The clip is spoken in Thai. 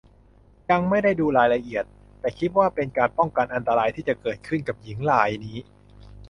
ยังไม่ได้ดูรายละเอียด แต่คิดว่าเป็นการป้องกันอันตรายที่จะเกิดขึ้นกับหญิงรายนี้